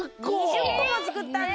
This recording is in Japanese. ２０こもつくったんだ！